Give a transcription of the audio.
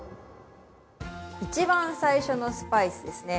◆一番最初のスパイスですね。